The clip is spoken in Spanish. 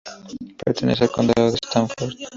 Pertenece al Condado de Stafford.